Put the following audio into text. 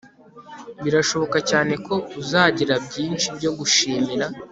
birashoboka cyane ko uzagira byinshi byo gushimira